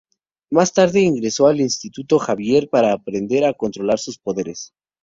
Más tarde ingresó en el Instituto Xavier para aprender a controlar sus poderes.